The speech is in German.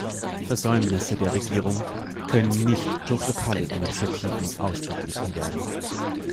Versäumnisse der Regierung können nicht durch lokale Initiativen ausgeglichen werden.